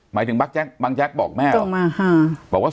หมายถึงบังแจ๊กบอกแม่ว่า